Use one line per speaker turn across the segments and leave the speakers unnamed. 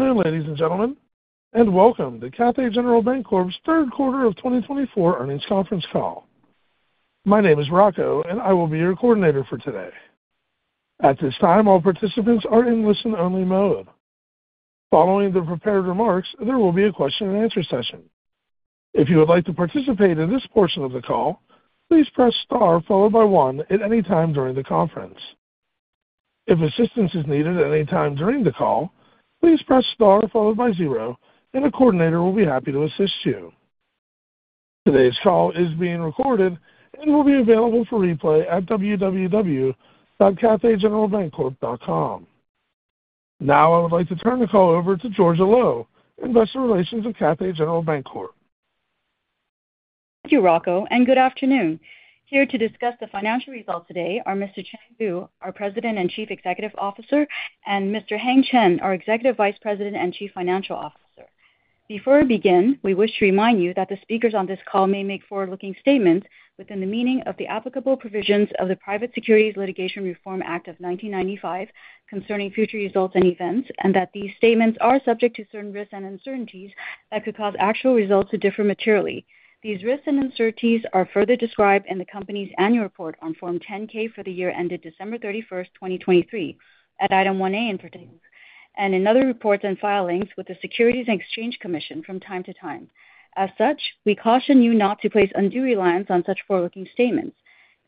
Good afternoon, ladies and gentlemen, and welcome to Cathay General Bancorp's third quarter of twenty twenty-four earnings conference call. My name is Rocco, and I will be your coordinator for today. At this time, all participants are in listen-only mode. Following the prepared remarks, there will be a question and answer session. If you would like to participate in this portion of the call, please press star followed by one at any time during the conference. If assistance is needed at any time during the call, please press star followed by zero, and a coordinator will be happy to assist you. Today's call is being recorded and will be available for replay at www.cathaygeneralbancorp.com. Now I would like to turn the call over to Georgia Lo, Investor Relations of Cathay General Bancorp.
Thank you, Rocco, and good afternoon. Here to discuss the financial results today are Mr. Chang Liu, our President and Chief Executive Officer, and Mr. Heng Chen, our Executive Vice President and Chief Financial Officer. Before we begin, we wish to remind you that the speakers on this call may make forward-looking statements within the meaning of the applicable provisions of the Private Securities Litigation Reform Act of nineteen ninety-five concerning future results and events, and that these statements are subject to certain risks and uncertainties that could cause actual results to differ materially. These risks and uncertainties are further described in the company's annual report on Form 10-K for the year ended December thirty-first, twenty twenty-three, at Item 1A in particular, and in other reports and filings with the Securities and Exchange Commission from time to time. As such, we caution you not to place undue reliance on such forward-looking statements.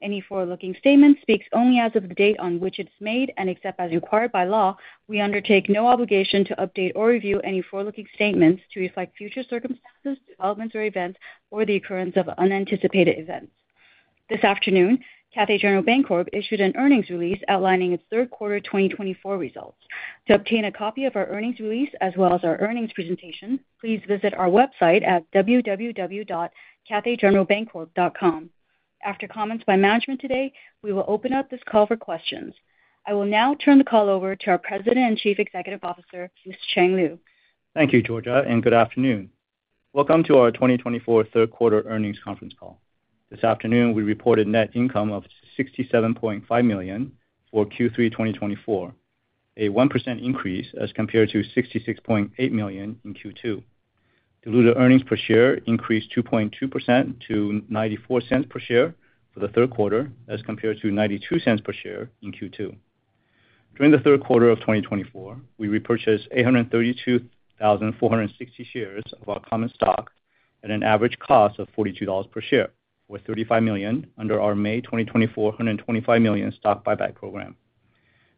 Any forward-looking statement speaks only as of the date on which it's made, and except as required by law, we undertake no obligation to update or review any forward-looking statements to reflect future circumstances, developments, or events, or the occurrence of unanticipated events. This afternoon, Cathay General Bancorp issued an earnings release outlining its third quarter twenty twenty-four results. To obtain a copy of our earnings release as well as our earnings presentation, please visit our website at www.cathaygeneralbancorp.com. After comments by management today, we will open up this call for questions. I will now turn the call over to our President and Chief Executive Officer, Mr. Chang Liu.
Thank you, Georgia, and good afternoon. Welcome to our 2024 third quarter earnings conference call. This afternoon, we reported net income of $67.5 million for Q3 2024, a 1% increase as compared to $66.8 million in Q2. Diluted earnings per share increased 2.2% to $0.94 per share for the third quarter, as compared to $0.92 per share in Q2. During the third quarter of 2024, we repurchased 832,460 shares of our common stock at an average cost of $42 per share, with $35 million under our May 2024 $125 million stock buyback program.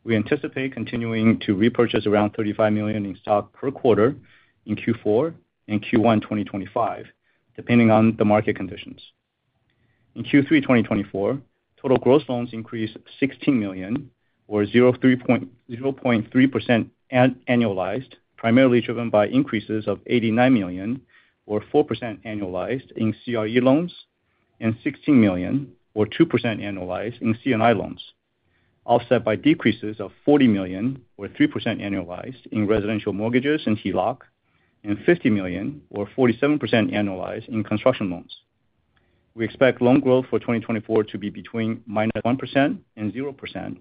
We anticipate continuing to repurchase around $35 million in stock per quarter in Q4 and Q1 2025, depending on the market conditions. In Q3 2024, total gross loans increased $16 million, or 0.3% annualized, primarily driven by increases of $89 million, or 4% annualized, in CRE loans and $16 million, or 2% annualized, in C&I loans, offset by decreases of $40 million, or 3% annualized, in residential mortgages and HELOC, and $50 million, or 47% annualized, in construction loans. We expect loan growth for 2024 to be between -1% and 0%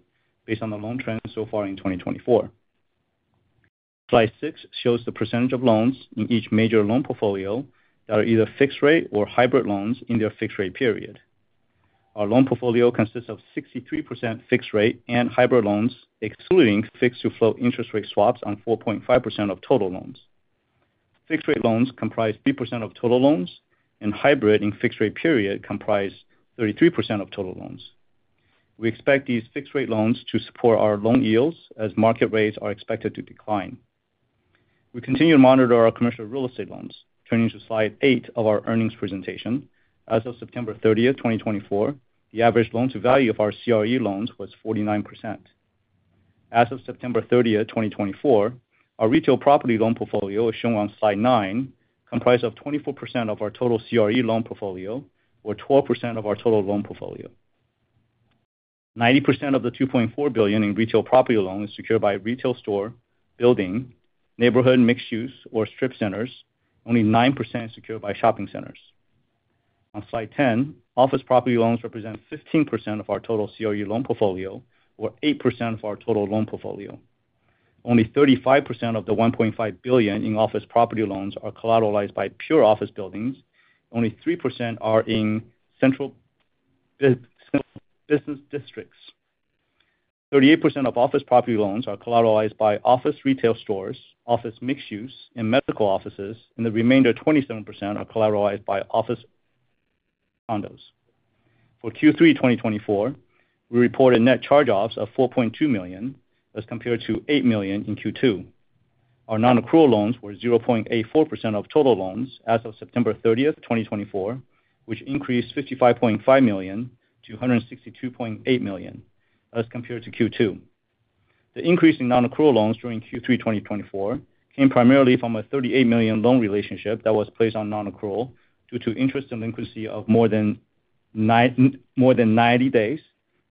based on the loan trends so far in 2024. Slide 6 shows the percentage of loans in each major loan portfolio that are either fixed rate or hybrid loans in their fixed rate period. Our loan portfolio consists of 63% fixed rate and hybrid loans, excluding fixed to float interest rate swaps on 4.5% of total loans. Fixed rate loans comprise 3% of total loans, and hybrid and fixed rate period comprise 33% of total loans. We expect these fixed rate loans to support our loan yields as market rates are expected to decline. We continue to monitor our commercial real estate loans. Turning to slide eight of our earnings presentation, as of September thirtieth, 2024, the average loan-to-value of our CRE loans was 49%. As of September thirtieth, 2024, our retail property loan portfolio, as shown on slide nine, comprised of 24% of our total CRE loan portfolio, or 12% of our total loan portfolio. 90% of the $2.4 billion in retail property loans is secured by a retail store, building, neighborhood, mixed use or strip centers. Only 9% is secured by shopping centers. On slide ten, office property loans represent 15% of our total CRE loan portfolio or 8% of our total loan portfolio. Only 35% of the $1.5 billion in office property loans are collateralized by pure office buildings. Only 3% are in central business districts. Thirty-eight percent of office property loans are collateralized by office retail stores, office mixed use, and medical offices, and the remainder, 27%, are collateralized by office condos. For Q3 2024, we reported net charge-offs of $4.2 million, as compared to $8 million in Q2. Our nonaccrual loans were 0.84% of total loans as of September thirtieth, 2024, which increased $55.5 million to $162.8 million, as compared to Q2. The increase in nonaccrual loans during Q3 2024 came primarily from a $38 million loan relationship that was placed on nonaccrual due to interest delinquency of more than ninety days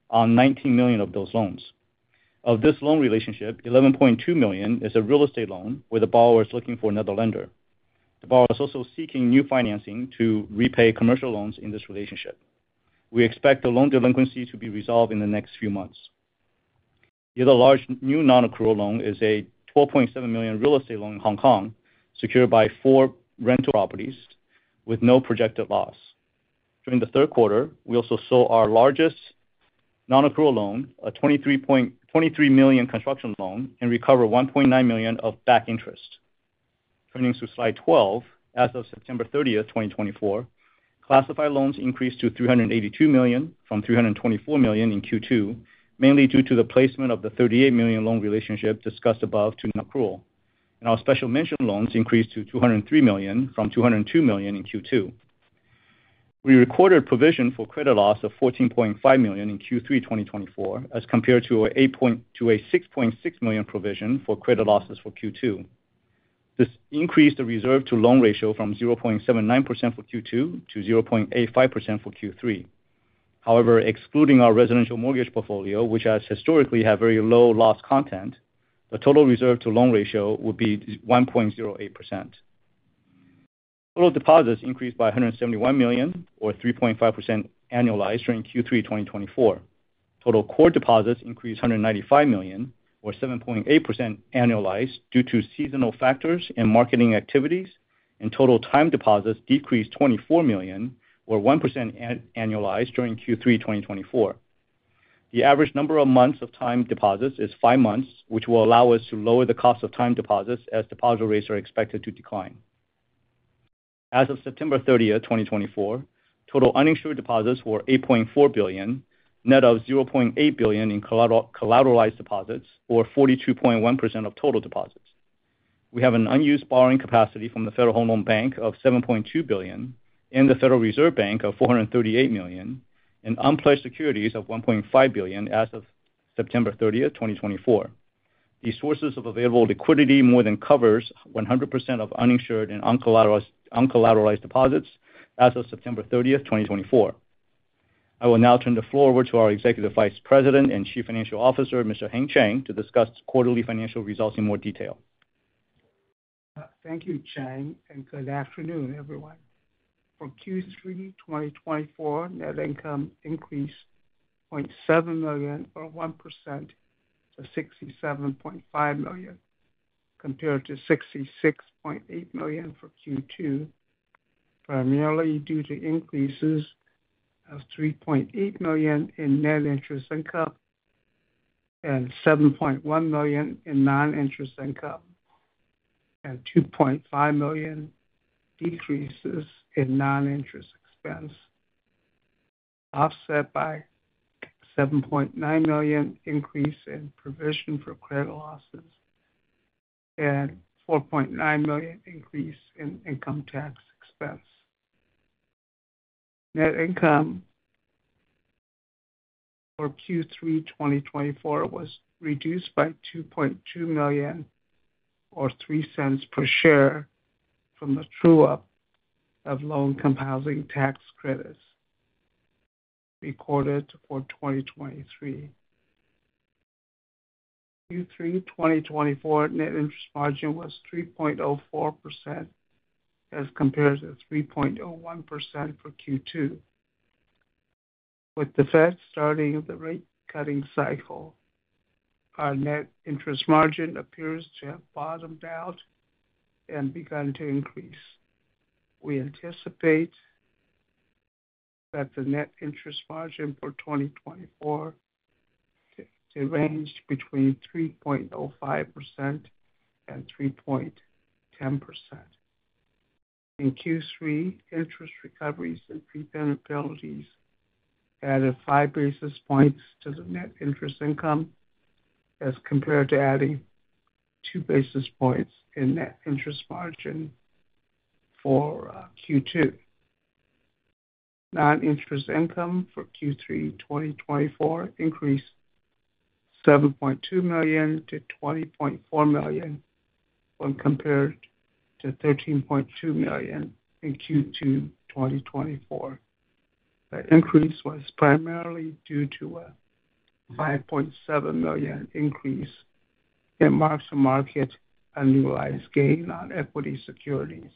on $19 million of those loans. Of this loan relationship, $11.2 million is a real estate loan where the borrower is looking for another lender. The borrower is also seeking new financing to repay commercial loans in this relationship. We expect the loan delinquency to be resolved in the next few months. The other large new nonaccrual loan is a $12.7 million real estate loan in Hong Kong, secured by four rental properties with no projected loss. During the third quarter, we also sold our largest nonaccrual loan, a $23 million construction loan, and recovered $1.9 million of back interest. Turning to slide twelve, as of September thirtieth, twenty twenty-four, classified loans increased to $382 million from $324 million in Q2, mainly due to the placement of the $38 million loan relationship discussed above to nonaccrual. Our special mention loans increased to $203 million from $202 million in Q2. We recorded provision for credit loss of $14.5 million in Q3 twenty twenty-four, as compared to a six point six million provision for credit losses for Q2. This increased the reserve to loan ratio from 0.79% for Q2 to 0.85% for Q3. However, excluding our residential mortgage portfolio, which has historically have very low loss content, the total reserve to loan ratio would be 1.08%. Total deposits increased by $171 million, or 3.5% annualized during Q3 2024. Total core deposits increased $195 million, or 7.8% annualized, due to seasonal factors and marketing activities, and total time deposits decreased $24 million, or 1% annualized during Q3 2024. The average number of months of time deposits is five months, which will allow us to lower the cost of time deposits as deposit rates are expected to decline. As of September 30, 2024, total uninsured deposits were $8.4 billion, net of $0.8 billion in collateralized deposits, or 42.1% of total deposits. We have an unused borrowing capacity from the Federal Home Loan Bank of $7.2 billion and the Federal Reserve Bank of $438 million, and unpledged securities of $1.5 billion as of September thirtieth, 2024. These sources of available liquidity more than covers 100% of uninsured and uncollateralized deposits as of September thirtieth, 2024. I will now turn the floor over to our Executive Vice President and Chief Financial Officer, Mr. Heng W. Chen, to discuss quarterly financial results in more detail.
Thank you, Chang, and good afternoon, everyone. For Q3 2024, net income increased $0.7 million, or 1%, to $67.5 million, compared to $66.8 million for Q2, primarily due to increases of $3.8 million in net interest income and $7.1 million in non-interest income, and $2.5 million decreases in non-interest expense, offset by $7.9 million increase in provision for credit losses and $4.9 million increase in income tax expense. Net income for Q3 2024 was reduced by $2.2 million, or $0.03 per share, from the true-up of low-income housing tax credits recorded for 2023. Q3 2024 net interest margin was 3.04%, as compared to 3.01% for Q2. With the Fed starting the rate cutting cycle, our net interest margin appears to have bottomed out and begun to increase. We anticipate that the net interest margin for 2024 to range between 3.05% and 3.10%. In Q3, interest recoveries and prepayabilities added five basis points to the net interest income, as compared to adding two basis points in net interest margin for Q2. Non-interest income for Q3 2024 increased $7.2 million to $20.4 million, when compared to $13.2 million in Q2 2024. The increase was primarily due to a $5.7 million increase in mark-to-market annualized gain on equity securities.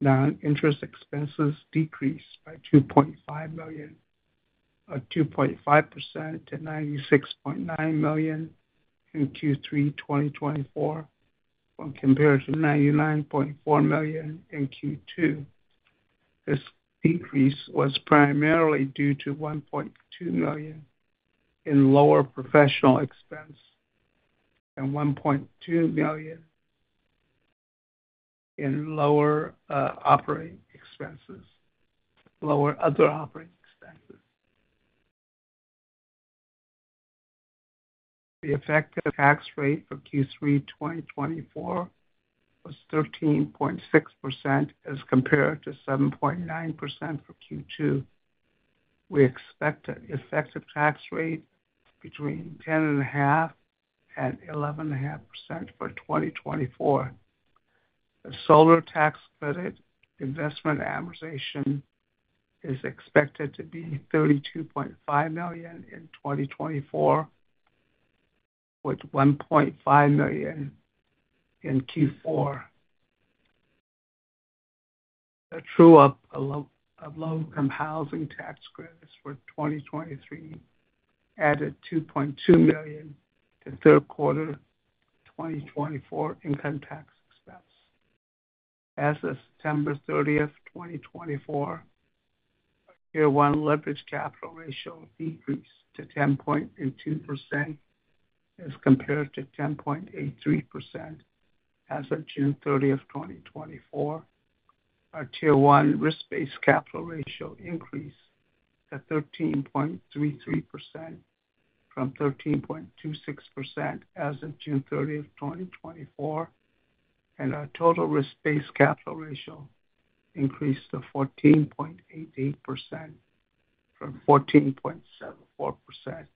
Non-interest expenses decreased by $2.5 million, or 2.5% to $96.9 million in Q3 2024, when compared to $99.4 million in Q2. This decrease was primarily due to $1.2 million in lower professional expense and $1.2 million in lower operating expenses, lower other operating expenses. The effective tax rate for Q3 2024 was 13.6%, as compared to 7.9% for Q2. We expect an effective tax rate between 10.5% and 11.5% for 2024. The solar tax credit investment amortization is expected to be $32.5 million in 2024, with $1.5 million in Q4. A true-up allowance of low-income housing tax credits for 2023 added $2.2 million to third quarter 2024 income tax expense. As of September 30, 2024, our Tier 1 leverage capital ratio decreased to 10.2% as compared to 10.83% as of June 30, 2024. Our Tier 1 risk-based capital ratio increased to 13.33% from 13.26% as of June 30, 2024, and our total risk-based capital ratio increased to 14.8% from 14.74%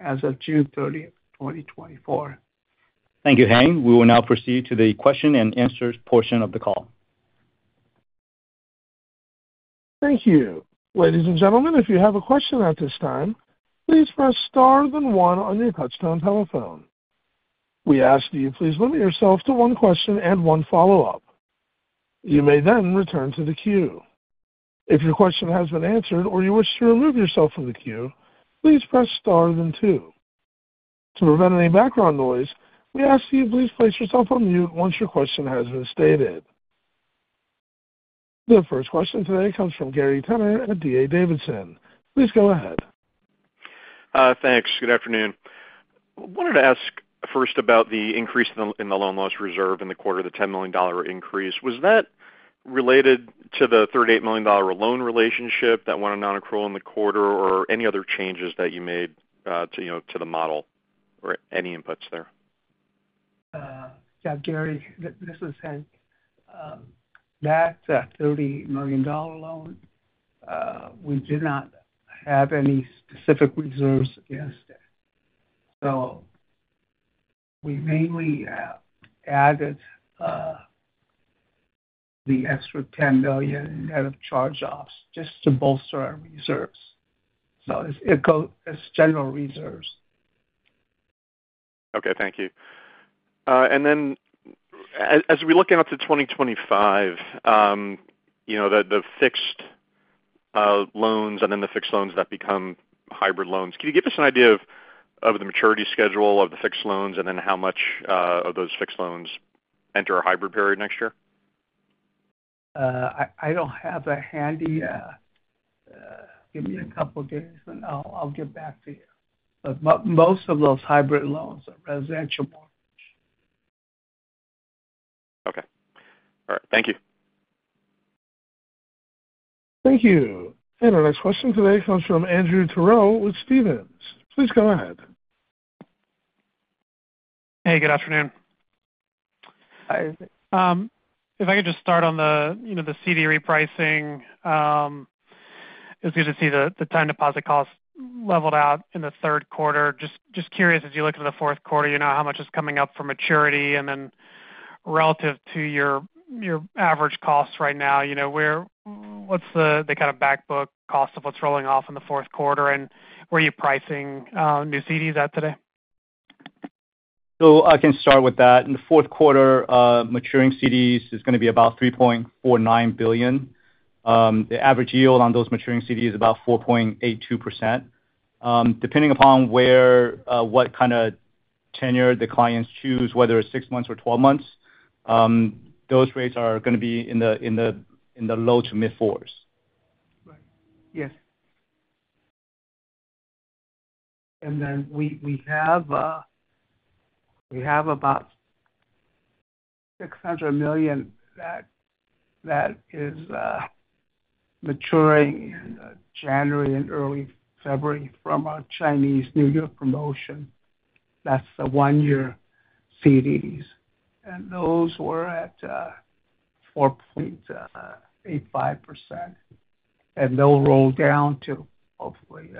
as of June 30, 2024.
Thank you, Hank. We will now proceed to the question and answer portion of the call.
Thank you. Ladies and gentlemen, if you have a question at this time, please press Star then one on your touchtone telephone. We ask that you please limit yourself to one question and one follow-up. You may then return to the queue. If your question has been answered or you wish to remove yourself from the queue, please press Star then two. To prevent any background noise, we ask that you please place yourself on mute once your question has been stated. The first question today comes from Gary Tenner at D.A. Davidson. Please go ahead.
Thanks. Good afternoon. I wanted to ask first about the increase in the loan loss reserve in the quarter, the $10 million increase. Was that related to the $38 million loan relationship that went on nonaccrual in the quarter, or any other changes that you made to, you know, the model, or any inputs there?
Yeah, Gary, this is Hank. That $30 million loan, we did not have any specific reserves against it. So we mainly added the extra $10 million in ahead of charge-offs just to bolster our reserves. So it, it go as general reserves.
Okay, thank you. And then as we look out to twenty twenty-five, you know, the fixed loans and then the fixed loans that become hybrid loans, can you give us an idea of the maturity schedule of the fixed loans, and then how much of those fixed loans enter a hybrid period next year?
I don't have that handy. Give me a couple of days, and I'll get back to you. But most of those hybrid loans are residential mortgage.
Okay. All right, thank you.
Thank you. And our next question today comes from Andrew Terrell with Stephens. Please go ahead.
Hey, good afternoon.
Hi.
If I could just start on the, you know, the CD repricing. It's good to see the time deposit costs leveled out in the third quarter. Just curious, as you look to the fourth quarter, you know, how much is coming up for maturity, and then relative to your average costs right now, you know, where, what's the kind of back book cost of what's rolling off in the fourth quarter, and where are you pricing new CDs at today?
I can start with that. In the fourth quarter, maturing CDs is gonna be about $3.49 billion. The average yield on those maturing CDs is about 4.82%. Depending upon what kind of tenure the clients choose, whether it's six months or 12 months, those rates are gonna be in the low to mid fours.
Right. Yes. And then we have about $600 million that is maturing in January and early February from our Chinese New Year promotion. That's the one-year CDs, and those were at 4.85%, and they'll roll down to hopefully to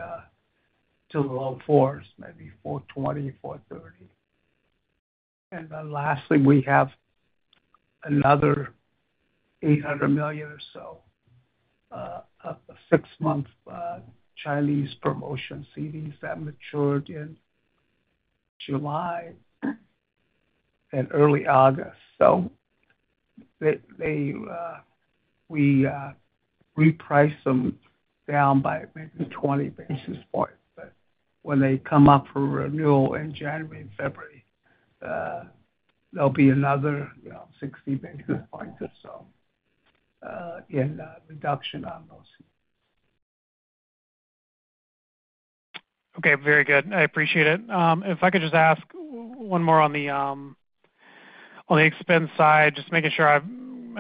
the low 4s, maybe 4.20, 4.30. And then lastly, we have another $800 million or so of the six-month Chinese promotion CDs that matured in July and early August. So we reprice them down by maybe 20 basis points, but when they come up for renewal in January and February, there'll be another, you know, 60 basis points or so in reduction on those.
Okay, very good. I appreciate it. If I could just ask one more on the expense side, just making sure I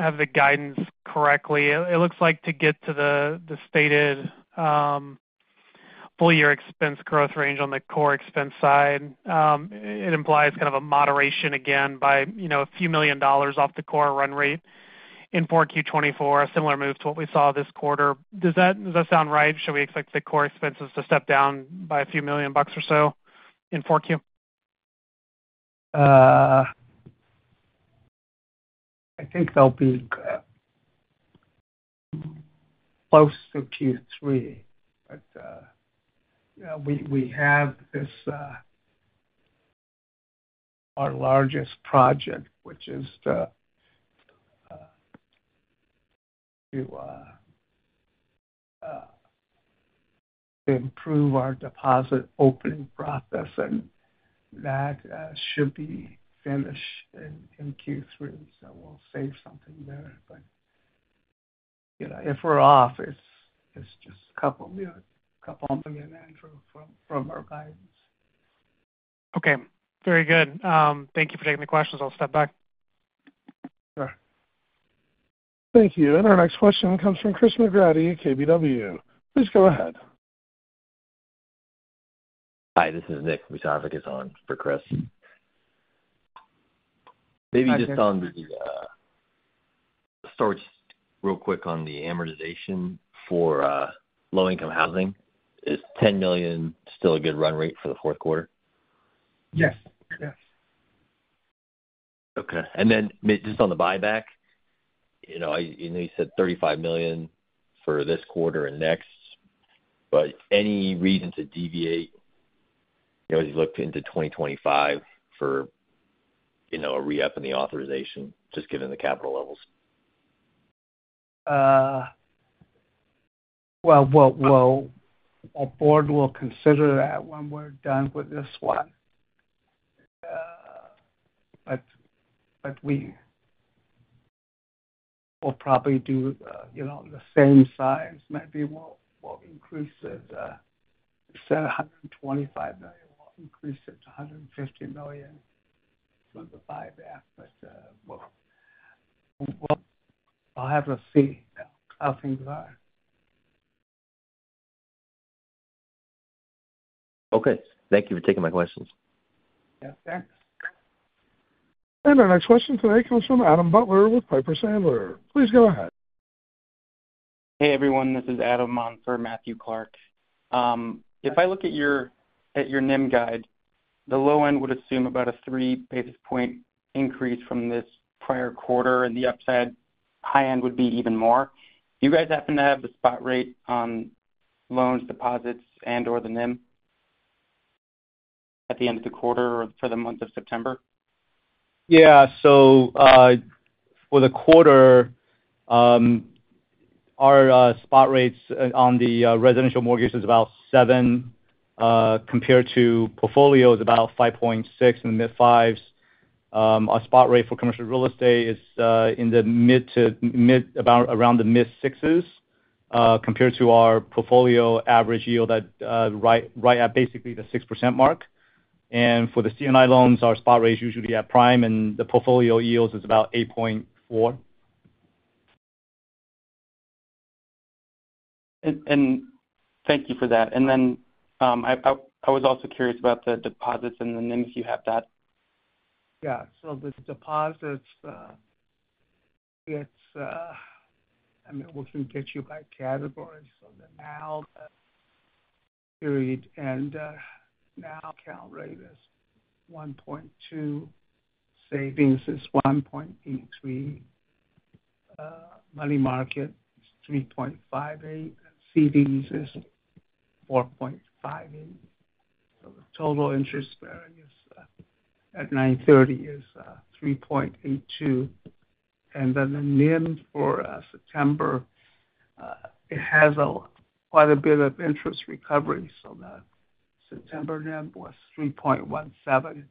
have the guidance correctly. It looks like to get to the stated full year expense growth range on the core expense side, it implies kind of a moderation again, by you know, a few million dollars off the core run rate in four Q twenty-four, a similar move to what we saw this quarter. Does that sound right? Should we expect the core expenses to step down by a few million bucks or so in four Q?
I think they'll be close to Q3. But, yeah, we have this, our largest project, which is to improve our deposit opening process, and that should be finished in Q3. So we'll save something there, but, you know, if we're off, it's just a couple, you know, couple million in from our guidance.
Okay, very good. Thank you for taking the questions. I'll step back.
Thank you. And our next question comes from Chris McGraty at KBW. Please go ahead.
Hi, this is Nick Vicentic is on for Chris. Maybe just on the start real quick on the amortization for low-income housing. Is $10 million still a good run rate for the fourth quarter?
Yes. Yes.
Okay. Then maybe just on the buyback, you know, I, you know, you said $35 million for this quarter and next, but any reason to deviate, you know, as you look into 2025 for, you know, a re-up in the authorization, just given the capital levels?
Well, our board will consider that when we're done with this one. But we will probably do, you know, the same size. Maybe we'll increase it, instead of $125 million, we'll increase it to $150 million from the buyback. But we'll. I'll have to see how things are.
Okay. Thank you for taking my questions.
Yeah, thanks.
And our next question today comes from Adam Butler with Piper Sandler. Please go ahead.
Hey, everyone, this is Adam on for Matthew Clark. If I look at your NIM guide, the low end would assume about a three basis point increase from this prior quarter, and the upside high end would be even more. Do you guys happen to have the spot rate on loans, deposits, and/or the NIM at the end of the quarter or for the month of September?
Yeah. So, for the quarter, our spot rates on the residential mortgage is about 7, compared to portfolio is about 5.6 in the mid fives. Our spot rate for commercial real estate is in the mid to mid, about around the mid sixes, compared to our portfolio average yield at right, right at basically the 6% mark. And for the C&I loans, our spot rate is usually at prime, and the portfolio yields is about 8.4.
And thank you for that. And then, I was also curious about the deposits and the NIM, if you have that.
Yeah. So the deposits, it's, I mean, we can get you by categories. So the now period and, now account rate is 1.2%. Savings is 1.83%. Money market is 3.58%. CDs is 4.58%. So the total interest bearing is, at nine thirty is, 3.82%. And then the NIM for, September, it has a quite a bit of interest recovery, so the September NIM was 3.17%.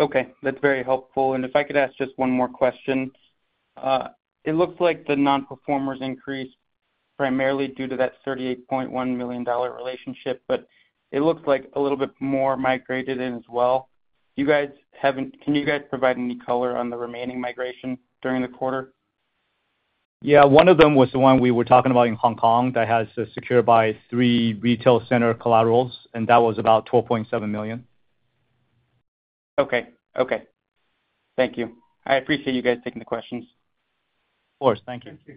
Okay. That's very helpful, and if I could ask just one more question. It looks like the non-performers increased primarily due to that $38.1 million relationship, but it looks like a little bit more migrated in as well. Can you guys provide any color on the remaining migration during the quarter?
Yeah, one of them was the one we were talking about in Hong Kong that has secured by three retail center collaterals, and that was about $12.7 million.
Okay. Okay. Thank you. I appreciate you guys taking the questions.
Of course. Thank you.